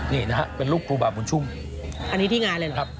นี่นะฮะเป็นรูปครูบาบุญชุ่มอันนี้ที่งานเลยเหรอครับ